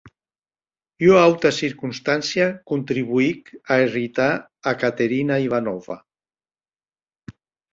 Ua auta circonstància contribuic a irritar a Caterina Ivanovna.